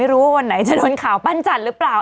วันไหนจะโดนข่าวปั้นจันทร์หรือเปล่า